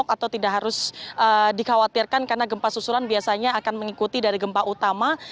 atau tidak harus dikhawatirkan karena gempa susulan biasanya akan mengikuti dari gempa utama